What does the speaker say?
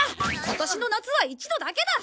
今年の夏は一度だけだ！